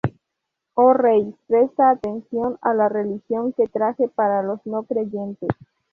Oh rey, presta atención a la religión que traje para los no creyentes...